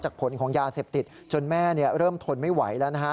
ผลของยาเสพติดจนแม่เริ่มทนไม่ไหวแล้วนะฮะ